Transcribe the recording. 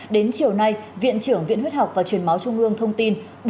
đến chiều nay viện trưởng viện huyết học và truyền máu trung ương thông tin